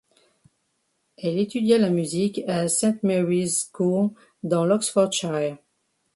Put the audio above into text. Elle étudia la musique à St Mary's School dans l'Oxfordshire.